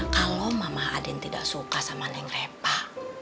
kalau mama aden tidak suka sama neng repah